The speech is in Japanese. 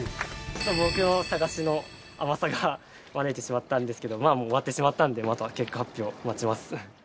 僕の捜しの甘さが招いてしまったんですけどまぁもう終わってしまったんであとは結果発表待ちます。